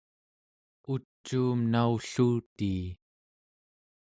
ucuum naulluutii